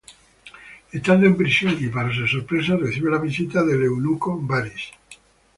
Estando en prisión, y para su sorpresa, recibe la visita del eunuco Varys.